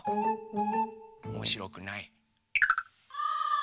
おもしろくない？